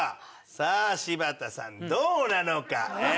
さあ柴田さんどうなのか？